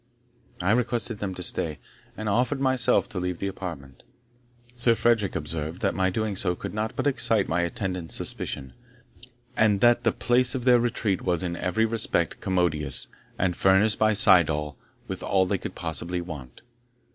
I requested them to stay, and offered myself to leave the apartment. Sir Frederick observed, that my doing so could not but excite my attendant's suspicion; and that the place of their retreat was in every respect commodious, and furnished by Syddall with all they could possibly want.